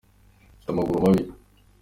Ufite amaguru mabi